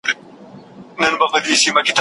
هغه په انټرنیټ کې نوي ملګري پیدا کړل.